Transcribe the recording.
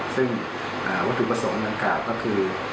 ซึ่งวัตถุประสงค์ดังกล่าวก็คือ